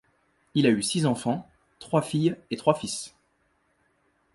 Il a eu six enfants : trois filles et trois fils.